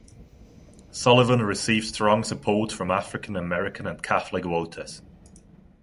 Sullivan received strong support from African American and Catholic voters.